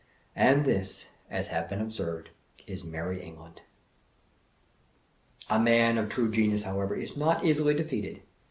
And this (as has been before observed) is Merry England! A man of true genius, however, is not easily defeated.